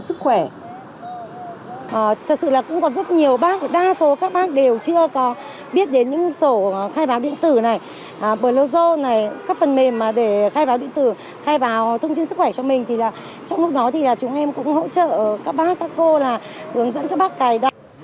sức khỏe và hướng dẫn mọi người